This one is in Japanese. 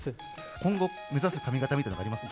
今後、目指す髪形みたいなのはありますか？